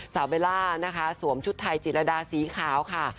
สาวเบลล่าสวมชุดไทยจิตรดาสีขาวค่ะ